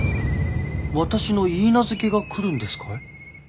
私の許嫁が来るんですかい？